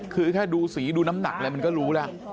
คือแค่ดูสีดูน้ำหนักอะไรมันก็รู้แล้ว